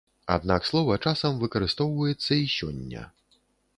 Аднак слова часам выкарыстоўваецца і сёння.